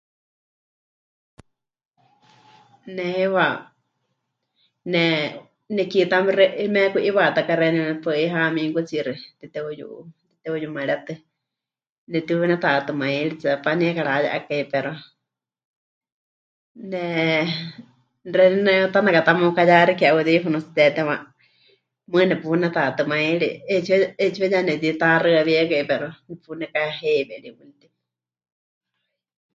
Ne heiwa ne nekiitá xeeníu meheku'iwaatáku xeeníu paɨ 'i hamikutsiixi teteuyu... tete'uyumarétɨ nepɨtiunetatɨmáiri, tseepá nie karaye'akai pero ne... xeeníu ne... tanakatá meukayaxike 'audífonos mɨtitétewa, mɨɨkɨ nepunetatɨmáiri, 'eetsiwa, 'eetsiwa ya nepɨtitaxɨawíekai pero nepunekaheiweri mɨɨkɨkɨ.